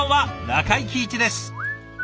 中井貴一です。